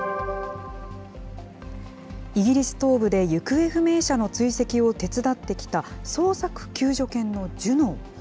イギリス東部で行方不明者の追跡を手伝ってきた捜索救助犬のジュノー。